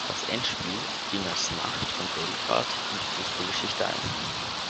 Das Endspiel ging als Nacht von Belgrad in die Fußballgeschichte ein.